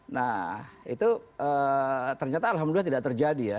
nah itu ternyata alhamdulillah tidak terjadi ya